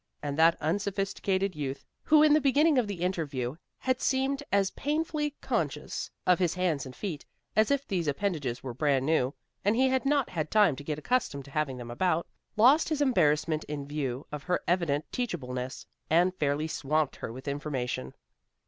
And that unsophisticated youth, who in the beginning of the interview had seemed as painfully conscious of his hands and feet, as if these appendages were brand new, and he had not had time to get accustomed to having them about, lost his embarrassment in view of her evident teachableness, and fairly swamped her with information.